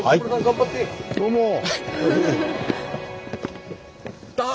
どうも。